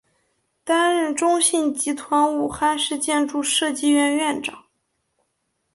担任中信集团武汉市建筑设计院院长。